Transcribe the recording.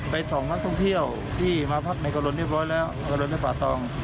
ไป๒ท่องเที่ยวที่มาพักในการลนเรียบร้อยและการลนในป่าตอง